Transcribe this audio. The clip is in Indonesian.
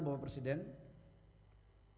yang kedua itu adalah china